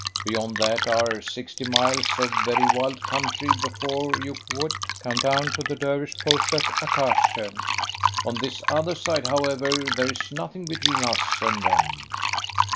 Beyond that are sixty miles of very wild country before you would come to the Dervish post at Akasheh. On this other side, however, there is nothing between us and them."